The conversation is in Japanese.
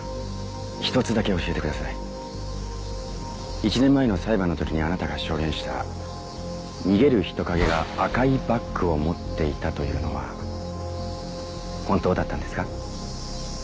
１年前の裁判の時にあなたが証言した逃げる人影が赤いバッグを持っていたというのは本当だったんですか？